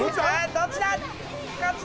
どっちだ？